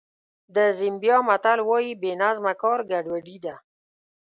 د زیمبیا متل وایي بې نظمه کار ګډوډي ده.